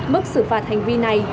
mức xử phạt hành vi này